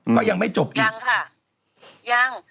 มันยังไม่จบอีกยังค่ะยัง